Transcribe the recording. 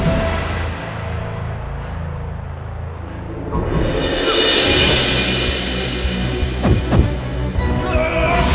aku akan menang